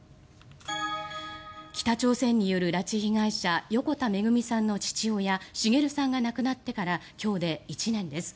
北朝鮮による拉致被害者横田めぐみさんの父親滋さんが亡くなってから今日で１年です。